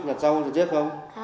là sau giờ chết không